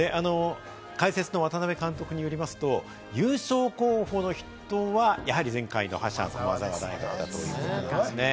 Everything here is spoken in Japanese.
解説の渡辺監督によりますと、優勝候補の筆頭はやはり前回の覇者・駒澤大学だということですね。